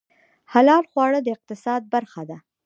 حلال خواړه د اقتصاد برخه ده